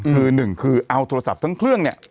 คือหนึ่งคือเอาโทรศัพท์ทั้งเครื่องเนี่ย